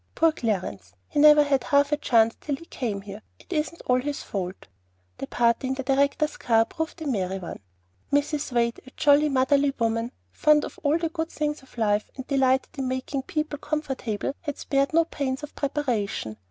Poor Clarence! he never had half a chance till he came here. It isn't all his fault." The party in the director's car proved a merry one. Mrs. Wade, a jolly, motherly woman, fond of the good things of life, and delighting in making people comfortable, had spared no pains of preparation.